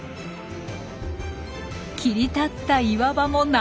切り立った岩場もなんのその。